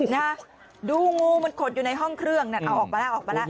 นะดูงูมันขดอยู่ในห้องเครื่องนั่นเอาออกมาแล้วออกมาแล้ว